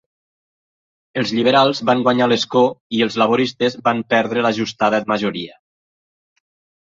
Els lliberals van guanyar l'escó i els laboristes van perdre l'ajustada majoria.